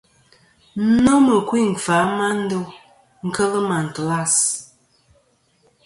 Nomɨ ɨkuyn ;kfà a ma ndo kel màtlas.